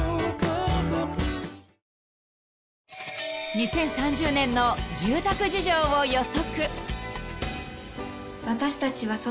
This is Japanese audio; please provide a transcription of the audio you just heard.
［２０３０年の住宅事情を予測］